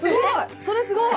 それすごい！